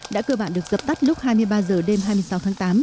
đã cơ bản được dập tắt lúc hai mươi ba h đêm hai mươi sáu tháng tám